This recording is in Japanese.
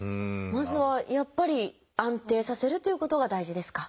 まずはやっぱり安定させるということが大事ですか？